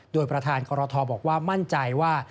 โดยประธานกรทบอกว่ามั่นใจว่า